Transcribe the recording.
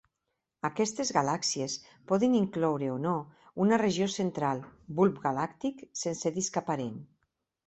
Aquestes galàxies poden incloure o no una regió central, bulb galàctic, sense disc aparent.